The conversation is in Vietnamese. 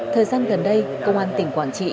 thời gian gần đây công an tỉnh quảng trị